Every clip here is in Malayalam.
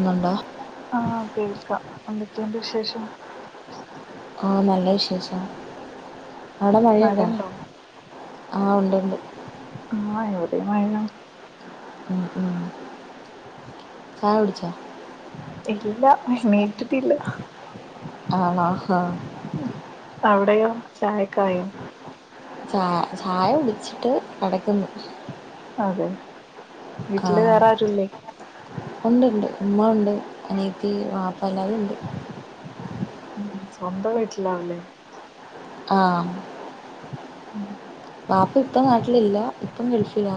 ന്നുണ്ടോ ആ കേൾക്കാം എന്തൊക്കെണ്ട് വിശേഷം ആ നല്ല വിശേഷം അവിടെ മഴയണ്ടോ മഴയുണ്ടോ ആഹ് ഉണ്ട് ഉണ്ട് ആ ഇവ ടിം മഴ ഉം ഉം ചായ ടിച്ചോ ഇല്ല എണീറ്റിട്ടില്ല ആണോ ഹാ അവിടെയോ ചായക്കെ ആയോ ചായ ചായ കുടിച്ചിട്ട് നടക്കുന്നു അതെ വീട്ടില് ആഹ് വേറെ ആരുല്ലേ ഉണ്ട് ണ്ട് ഉമ്മ ഉണ്ട് അനിയത്തി വാപ്പ എല്ലാരും ഉണ്ട് ഉം സ്വന്തം വീട്ടിലാവും ലേ ആഹ് ഉം വാപ്പി ഇപ്പം നാട്ടിലില്ല ഇപ്പം ഗൾഫിലാ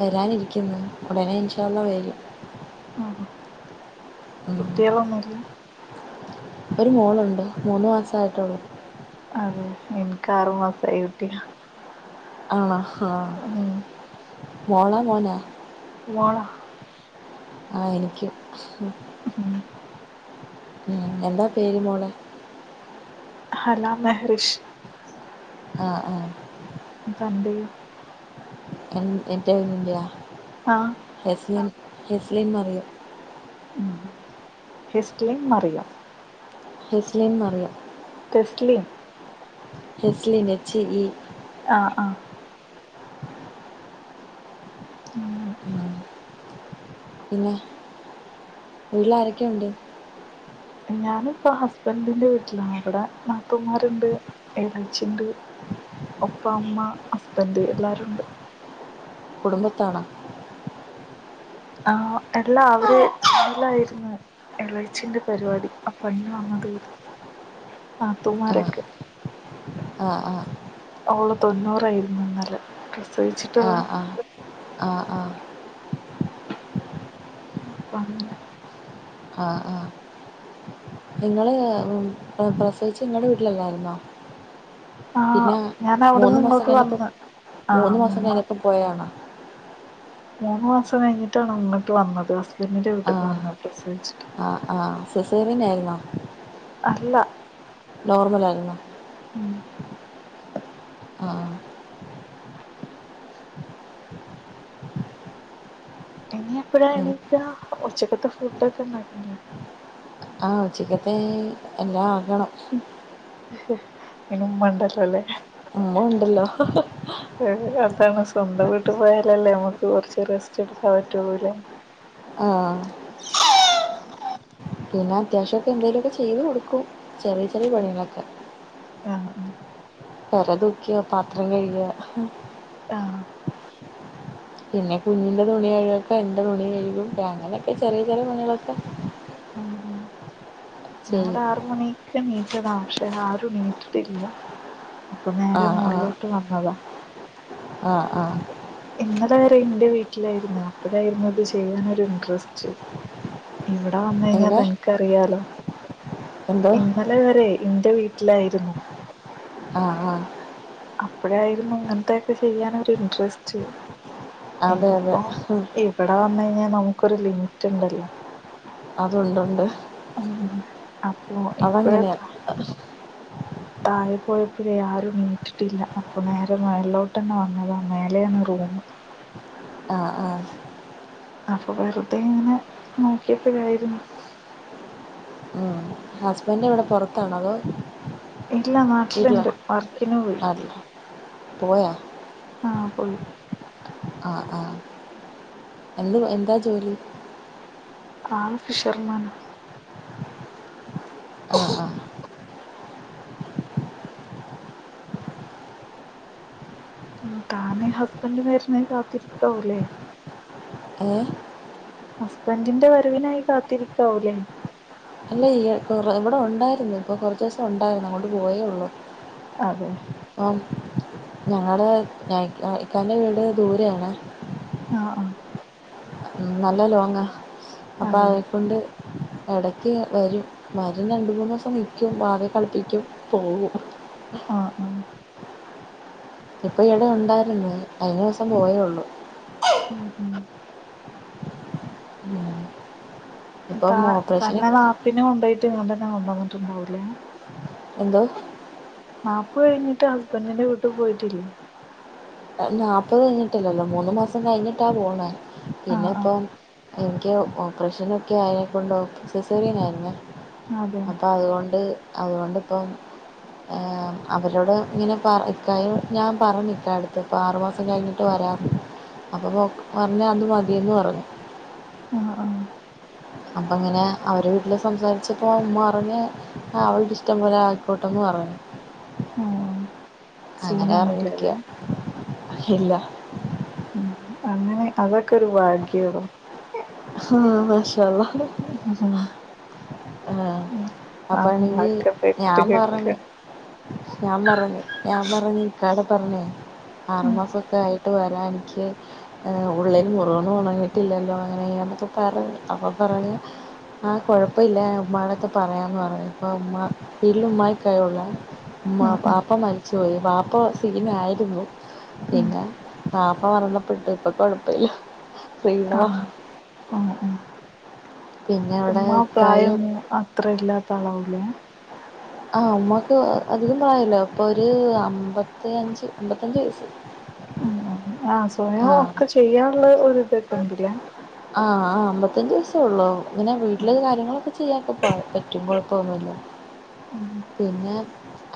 വരാനിരിക്കുന്നു ഉടനെ ഇൻഷാ അള്ളാ വരും ഉം. കുട്ടിയോളൊന്നും ല്ല ഒരു മോളുണ്ട് മൂന്ന് മാസമായിട്ടൊള്ളു അതെ ഇൻക്ക് ആറ് മാസായ കുട്ടിയാ ആണേ ആ ഉം മോളോ മോനോ മോളാ ആ എനിക്ക്യൂ ഉം ഉം എന്താ പേര് മോളേ ഹലാ മഹറിഷ് ആഹ് ആഹ് ഇതന്റെ യോ എൻ എന്റെ [unintelligible] ആഹ് ഹെസ് ലൻ ഹെസ് ലിൻനെ അറിയോ ഹെസ്റ്റിലിൻ ന്ന് അറിയാം ഹെ സ് Lin Mariyam Tasleem. ഹെസ്ലിം, H E. ആ അ. അങ്ങനെ ഉം. പിന്നെ വീട്ട് ല്ആരൊക്കെ ഉണ്ട്? ഞാന് ഇപ്പൊ ഹസ്ബൻഡിന്റെ വീട്ടിലാണ്, അവിടെ നാത്തുമാര്ണ്ട്, എളച്ചിണ്ട്. ഒപ്പം അമ്മ, ഹസ്ബൻഡ് എല്ലാവരുണ്ട്. കുടുംബത്തണോ? ആ, എല്ല അവര് ലായിരുന്നു. എളച്ചിന്റെ പരിപാടി, അപ്പ അതിനു വന്നത ആ നാത്തൂമാരൊക്കെ. ആ ആ.. ഓള തൊണ്ണൂറായിയിരുന്നു ഇന്നലെ ആ പ്രസവിച്ചിട്ടുള്ള? ആ, ആ ആ.. ഉം. ആ ആ.. നിങ്ങൾ പ്രസവിച്ച് നിങ്ങളടെ വീട്ടിലല്ലായിരുന്നോ? ആ പിന്നെ ഞാൻ അവിടുന്ന് മൂന്ന് ഇങ്ങോട്ട് മാസംകഴിഞ്ഞപ്പോ വന്ന് മൂന്ന് മാസം കഴിഞ്ഞപ്പോ പോയതാണോ? മൂന്ന് മാസം കഴിഞ്ഞിട്ടാണ് ഇങ്ങോട്ട് വന്നത്, ഹസ്ബന്റിന്റെ ആ വീട്ട്ക് വന്നത് പ്രസവിച്ചിട്ട്. ആ ആഹ്, സിസേറിയൻ ആയിരുന്നോ? അല്ല. നോർമൽ ആയിരുന്നോ? ഉം ആ ഇനി എപ്പഴാ ഉം. എണീക്കാ? ഉച്ചക്കത്തെ ഫുഡ് ഒക്കെ ഉണ്ടാക്കിക്കണ? ആ, ഉച്ചക്കത്തെ... എല്ലാം ആക്കണം. ഇനിമ്മണ്ടല്ല ല്ലേ? അമ്മ ഉണ്ടല്ലോ? ഏ അതാണ് സ്വന്തം വീട്ട് പോയാലല്ലേ നമ്മക്ക് കുറച്ച് റെസ്റ്റ് എടുക്കാൻ പറ്റൊള്ളു അല്ലെ? ആആ.. [unintelligible] പിന്നെ അതേവിശ്യേം ഒക്കെ എന്തേലും ഒക്കെ ചെയ്തു കൊടുക്കും, ചെറിയ ചെറിയ പണികളൊക്കെ. ആ ഉം. പര തൂക്കിയ, പാത്രം കഴിക. ആ.. പിന്നെ കുഞ്ഞിന്റെ തുണി കഴുകും ഒക്കെ എന്റെ തുണി കഴുകും, അങ്ങനെഒക്കെ ചെറിയ ചെറിയ പണികളൊക്കെ. ഉം ഉം. ശരി. ക്ക നീറ്റത പക്ഷെ ആരും നീട്ടിട്ടില്ല, അപ്പൊ ആ നേരെ ആ മുകളിലോട്ട് വന്നതാ. ആ ആ.. ഇന്നലെ വരെ എന്റെ വീട്ടിലായിരുന്നു, അപ്പഴായിരുന്നു ഇത് ചെയ്യാനൊരു ഇൻട്രസ്റ്റ്. ഇവിടെ വന്ന കഴിഞ്ഞാൽ എങ്ങനെ തനക്ക്റിയാലോ? എന്തോ ഇ [unintelligible] ഇന്നലെ വരെ എന്റെ വീട്ടിലായിരുന്നു. ആ ആ.. അപ്പഴായിരുന്നു ഇങ്ങനത്തെൊക്കെ ചെയ്യാൻ ഒരു ഇന്ട്രസ്റ്റ്. അതെ അതെ ഇതിപ്പോ ഇവിടെ വന്ന് കഴിഞ്ഞാൽ നമുക്കൊരു ലിമിറ്റ് ഉണ്ടല്ലോ? അതുണ്ട് ഉണ്ട്. ഉം, അപ്പൊ അതങ്ങനെയാണ് ഇപ്പോഴത്താ.. താഴെ പോയപോള് ആരും നീറ്റിട്ടില്ല, അപ്പൊ നേരെ മേളലോട്ട്ന്നെ വന്നതാ മേലെയാണ് റൂമ്. ആ ആ.. അപ്പൊ വെറുതെ ഇങ്ങനെ നോക്കിയപ്പോഴായിരുന്നു. ഉം.. ഹസ്ബൻഡ് ഇവിടെ പുറത്താണോ അതോ? ഇല്ല നാട്ടിലുണ്ട് വർക്കിനു പോയി പോ [unintelligible] ആഹ പോയി. ആ ആഹ എ എന്താ ജോലി? ആ ഫിഷർമാൻും. ആഹ ആഹ. താന് ഹസ്ബൻഡ് വരുന്നെ കാത്തിരിക്കാവല്ലേ ഏഹ് ഹസ്ബൻറിന്റെ വരവിനായി കാത്തിരിക്കാവൂല്ലേ അല്ല യേ ഇവിടെ ഉണ്ടായിരുന്നു ഇപ്പൊ കുറച്ച ദിവസം ഉണ്ടായിരുന്നു അങ്ങൊണ്ട് പോയേ ഉള്ളൂ അതെ ആം ഞങ്ങള് ഞാ ഇക്കാന്റെ വീട് ദൂരെ ആണേ ആഹ് ആഹ് നല്ല ലോങ്ങാ അപ്പം അതെ അതെക്കൊണ്ട് ഇടക്ക് വരും മരും രണ്ട് മൂന്ന് ദിവസം നിക്കും വാവെ കളിപ്പിക്കും പോകും ആ ആ ഇപ്പൊ ഇവിടെ ഉണ്ടായിരുന്നു കഴിഞ്ഞ ദിവസം പോയേള്ളൂ ഉം. താ ഇപ്പം ഓപ്പറേഷന് തന്നെ നാപ്പിനെ കൊണ്ട്പോയിട്ട് ഇങ്ങട്ടന്നെ കൊണ്ട് വന്നിട്ടുണ്ടാവൂല്ലേ എന്തോ നാപ്പ് കഴിഞ്ഞിട്ട് ഹസ്ബൻറിന്റെ വീട്ടിൽ പോയിട്ടില്ലേ നാല്പ്പത് കഴിഞ്ഞിട്ടില്ലല്ലോ മൂന്ന് മാസം കഴിഞ്ഞിട്ടാ പോണെ പിന്നെ ആഹ് ഇപ്പം ആഹ് എനിക്ക് ഓപ്പറേഷനൊക്കെ ആയെക്കൊണ്ട് ഓ സെസറിയനായിരുന്നേ അതെ അപ്പൊ അതുകൊണ്ട് അതുകൊണ്ടിപ്പം അവരോട് ഇങ്ങനെ പറ ഇക്കാര്യം ഞാൻ പറഞ്ഞു ഇക്കത്ത് ഇപ്പോൾ ആറു മാസം കഴിഞ്ഞിട്ട് വരാം അപ്പോൾ [unintelligible] പറഞ്ഞാൽ അത് മതിയെന്ന് പറഞ്ഞു ആഹ് ആഹ് അപ്പൊ ഇങ്ങനെ അവരെ വീട്ടില് സംസാരിച്ചപ്പോ മ്മ പറഞ്ഞ് ആഹ് അവളുടെ ഇഷ്ടംപോലെ ആയിക്കോട്ടെന്ന് പറഞ്ഞു ആഹ് അങ്ങനെ അറിഞ്ഞിരിക്ക്യ സീനൊന്നുല്ലല്ലേ ഇല്ല ഉം അങ്ങനെ അതൊക്കെ ഒരു ഭാഗ്യോ ആഹ് മാഷാല്ലാഹ് [unintelligible] ആഹ് അപ്പാണെങ്കി നമ്മളൊക്കെ ഞാൻ പെട്ട് പറഞ്ഞ് കെടക്കാണ് ഞാൻ പറഞ്ഞു ഞാൻ പറഞ്ഞ് ഇക്കാടെ പറഞ്ഞേ ആറ് ഉം മാസൊക്കെ ആയിട്ട് വരാ എൻക്ക് ഉള്ളിൽ മുറിവും ഉണങ്ങിയിട്ടില്ലല്ലോ അങ്ങനെക്ക പറഞ്ഞ് അപ്പൊ പറഞ്ഞ് ആഹ് കൊഴപ്പ ഇല്ല ഉമ്മാടത്ത് പറയാന്ന് പറഞ്ഞു ഇപ്പ ഉമ്മാ വീട്ടില് ഉമ്മായിക്കയൊള്ളൂ ഉമ്മാ ആഹ് ആഹ് ബാപ്പ മരിച്ചുപോയി ബാപ്പ സിഗ്ന് ആയിരുന്നു ഉം പിന്നെ ബാപ്പ മരണപ്പെട്ടു ഇപ്പൊ കുഴപ്പില്ല റീണോ ആഹ് പിന്നെ അവിടെ ഉമ്മ പ്രായം ഇക്കായും അത്ര ഇല്ലാത്ത അളാവൂലേ ആഹ് ഉമ്മാക്ക് അതികം പ്രായല്ലാ അപ്പൊ ഒരു അമ്പത്തി അഞ്ച് അമ്പത്തഞ്ച് വയസ്സ് ഉം ഉം ആഹ് സ്വയം ആഹ് ഒക്കെ ചെയ്യാനുള്ള ഒരിതൊക്കെ ഉണ്ടല്ലേ ആഹ് ആഹ് അമ്പപത്തഞ്ച് വയസേ ഉള്ളു ഇങ്ങനെ വീട്ടില് കാര്യങ്ങളൊക്കെ ചെയ്യാൻ പോ പറ്റും കുഴപ്പോന്നുല്ല പിന്നെ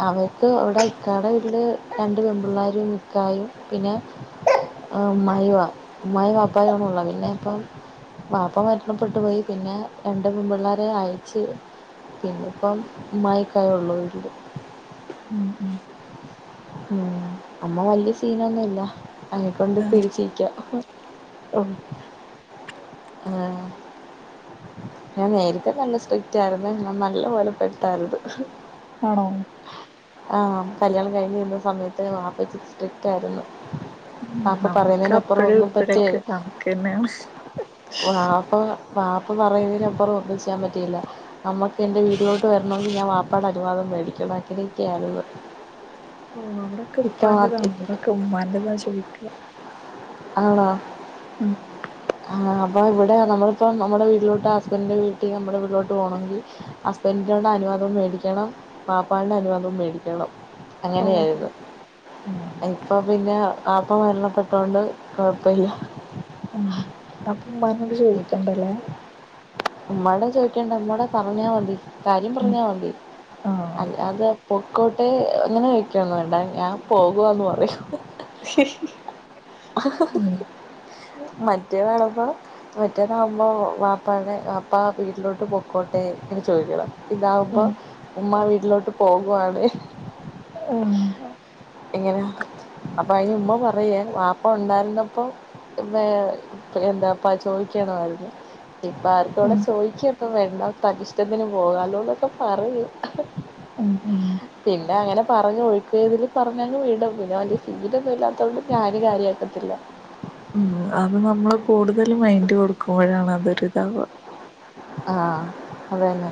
അവര്ക്ക് അവിടെ ഇക്കാടെ വീട്ടില് രണ്ട് പെൺപിള്ളേരും മിക്കായും പിന്നെ ആ ഉമ്മായി വ ഉമ്മായി വാപ്പായി ഒണള്ളെ പിന്നെ ഇപ്പം ബാപ്പ മരണപ്പെട്ടു പോയി പിന്നെ രണ്ട് പെൺപിള്ളേരെ അയച്ച് പിന്നിപ്പം ഉമ്മായിം ഇക്കായിം ഉള്ളൂ വീട്ടില് ഉം ഉം അമ്മ വലിയ സീനൊന്നുംല്ല അതിനെക്കൊണ്ട് പിടിച്ച്നിക്ക ഓ ആഹ് ഞാൻ നേരിത്തെ നല്ല സ്ട്രിക്റ്റ് ആരുന്നു ഞാൻ നല്ലപോലെപ്പെട്ടായിര്ന്ന് ആണോ ആഹ് കല്യാണം കഴിഞ്ഞിരുന്ന സമയത്ത് വാപ്പ സ്ട്രിക്റ്റ് ആയിരുന്നു ആഹ് വാപ്പ നമുക്ക് പറയുന്നതിന് അപ്പറൊം അപ്പഴും ഒന്നും പറ്റേ ഇപ്പഴൊക്കെ [unintelligible] വാപ്പ വാപ്പ പറയുന്നതിനന്പ്പുറം ഒന്നും ചെയ്യാൻ പറ്റിയില്ല നമ്മക്ക് എന്റെ വീട്ടിലോട്ട് വരണെങ്കി ഞാൻ വാപ്പാട് അനുവാദം വേടിക്കണം അങ്ങനൊക്കെ ആയിര്ന്ന് ഇവിടൊക്കെ പലതാണ് ഇക്ക ഇവിടൊക്കെ ഉമ്മാന്റെതാ ചോയിക്കാ ആണോ ഉം ആഹ് നമ്മളെ ഇവടെ നമ്മളിപ്പം നമ്മുടെ വീട്ടിലോട്ട് ഹസ്ബൻഡിന്റെ വീട്ടിന്ന് നമ്മടെ വീട്ടിലോട്ട് പോണേങ്കി ഹസ്ബൻഡിനോട് അനുവാദം മേടിക്കണം വാപ്പാന്റെ അനുവാദും മേടിക്കണം ഓഹോ അങ്ങനെയായിരുന്നു ഇപ്പൊ പിന്നെ വാപ്പ മരണപ്പെട്ടോണ്ട് കൊഴപ്പയില്ല [inaudible] ഉമ്മാനൊട് ചോയിക്കണ്ടല്ലേ ഉമ്മനോട് ചോയിക്കണ്ട ഉമ്മാട് പറഞ്ഞാ മതി കാര്യം ഉം പറഞ്ഞാ മതി ആഹ് അല്ലാതെ പൊക്കോട്ടെ അങ്ങനെ ചോയിക്കൊന്നും വേണ്ട ഞാൻ പോകുവാന്ന് പറയും ശരി [unintelligible] മറ്റേ [unintelligible] മറ്റേതാവുമ്പോ വാപ്പോട് വാപ്പാ വീട്ടിലോട്ട് പൊക്കോട്ടെ ഇങ്ങനെ ചോയിക്കണം ഉം ഇതാവുമ്പോ ഉം ഉമ്മാ വീട്ടിലോട്ട് പോകുവാണേ ആഹ് ഇങ്ങനെ അപ്പയിന് ഉമ്മ പറയേ വാ പ്പ ഉണ്ടായിരുന്നപ്പോ പിന്നെ എന്താപ്പാ ചോയിക്കണായിര്ന്ന് ഇപ്പാർക്കും ഇവടെ ഉം ചോയിക്കൊന്നും വേണ്ട തനിഷ്ടത്തിന് പോകാലോന്നോക്കെ പറയും ഉഓ പിന്നെ അങ്ങനെ പറഞ്ഞ് ഒഴ്ക്കെയിവില് പറഞ്ഞങ്ങ് വിടും പിന്നെ വല്ല്യ ശീലൊന്നും ഇല്ലാത്തൊണ്ട് ഞാനും കാര്യ ക്കത്തില്ല മ്മ് അത് നമ്മള് കൂടുതല് മൈൻഡ് കൊടുക്കുമ്പോഴാണ് അതൊരിതാവ ആഹ് അത് തന്നെ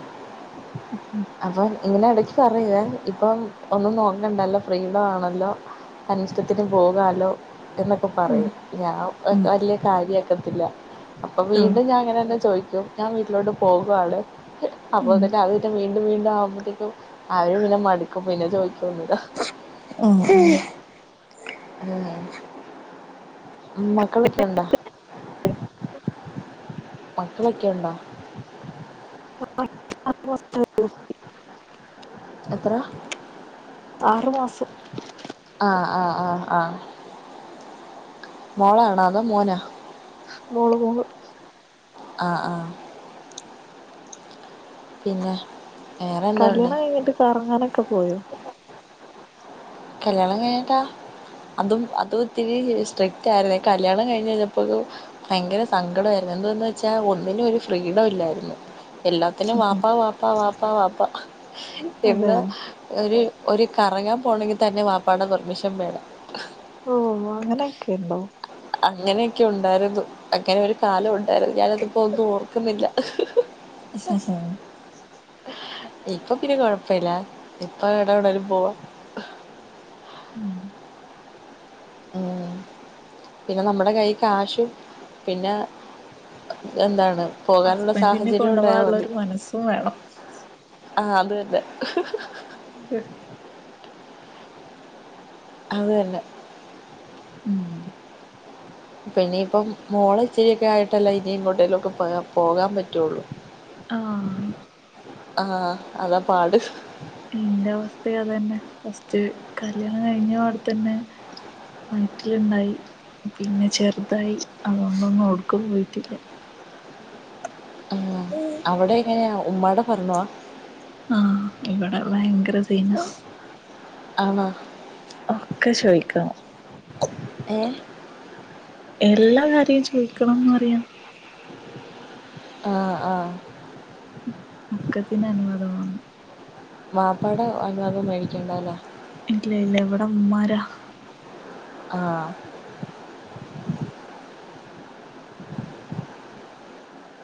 ഉം അപ്പൊ ഇങ്ങനെ എടക്ക് പറയേ ഇപ്പം ഒന്നും നോക്കണ്ടല്ലോ ഫ്രീഡാണല്ലോ തനിഷ്ടത്തിന് പോകാലോ എന്നൊക്കെ ഉം പറയും ഞാൻ ഉം വല്യ കാര്യാക്കത്തില്ല അപ്പൊ വീണ്ടും ഞാന് അങ്ങനെന്നെ ചോയ്ക്കും ഞാൻ വീട്ടിലോട്ട് പോകാണ് അപ്പൊ തന്നെ അത് പിന്നെ വീണ്ടും വീണ്ടും ആവുമ്പോത്തേക്കും അത് പിന്നെ മട്ക്കും പിന്നെ ചോയിക്കൊന്നുല്ല ഉം [unintelligible] മക്കളൊക്കെ ഉണ്ടോ മക്കളൊക്കെ ഉണ്ടോ ഉം എത്ര ആറ് മാസം ആഹ് ആഹ് ആഹ് ആഹ് മോളാണോ അതോ മോനാ മോള് മോള് ആഹ് ആഹ് പിന്നെ വേറെ എന്തോ ഉണ്ട് കല്യാണം കഴിഞ്ഞിട്ട് കറങ്ങാനൊക്കെ പോയോ കല്യാണം കഴിഞ്ഞിട്ടാ അതും അത് ഇത്തിരി സ്ട്രിക്റ്റായിരുന്നേ കല്യാണം കഴിഞ്ഞ്ഞ്ഞയിഞ്ഞപ്പളും ഭയങ്കര സങ്കടായിരുന്നു എന്ത്‌ന്ന് വെച്ചാ ഒന്നിനൊരു ഫ്രീഡം ഇല്ലായിരുന്നു എല്ലാത്തിനും ഉം വാപ്പാ വാപ്പാ വാപ്പാ വാപ്പാ അതെ ഇന്ന് ഒര് ഒര് കറങ്ങാൻ പോണേങ്കി തന്നെ വാപ്പാടെ പെർമിഷൻ വേണം ഓഹ് അങ്ങനെയൊക്കെണ്ടോ അങ്ങനെയൊക്കെ ഉണ്ടായിരുന്നു അങ്ങനെ ഒരു കാലം ഉണ്ടായിരുന്നു ഞാനതിപ്പോ ഒന്നും ഓർക്കുന്നില്ല അ അ. ഇപ്പൊ പിന്നെ കൊഴപ്പില്ല ഇപ്പൊ എവിടനേലുംപോവാ. ഉ [unintelligible] ഉ.. പിന്നെ നമ്മുടെ കൈ കാശും പിന്നെ എന്താണ്. പോകാനുള്ള ഹസ്ബൻറിെ സാഹചര്യം കൊണ്ടുപോകാനുള്ള ഒരു മനസ്സും വേണം. ആഅതതെ. ഉം. അതു തന്നെ. ഉം. പിന്നനിയിപ്പം മോള ഇച്ചിരിൊക്കെ ആയിട്ടല്ല ഇനും കൊട്ടലൊക്കെ പോ പോകാൻ പറ്റുള്ളു. ആ. ആ അതാ പാഡ്. ഇന്റെ അവസ്ഥ അത് തന്നെ ഫസ്റ്റ് കല്യാണം കഴിഞ്ഞപാടെ തന്നെ. വയറ്റിലുണ്ടായി പിന്നെ ചെറുതായി അതൊണ്ടൊന്നും ഉടുക്കൻ പോയിട്ടില്ല. അവിടെ എങ്ങനെയ ഉമ്മാടെ പറഞ്ഞോാണ്. ആഹ് ഇവിടെ ഭയങ്കര സീന. ആണോ? ഒക്കെ ചോദിക്കണം. ഏ? എല്ലാ കാര്യം ചോദിക്കണംന്ന്റിയാം. ആ ആ. ക്കത്തിന് അനവാദണം. മാപ്പാടെ അനുവാദം മേടിക്കണ്ടല്ലേ. ഇല്ല ഇല്ല എവിടെ ഉമ്മാരാ. ആ.